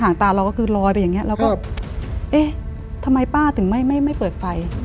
งตาเราก็คือลอยไปอย่างนี้แล้วก็เอ๊ะทำไมป้าถึงไม่ไม่เปิดไฟ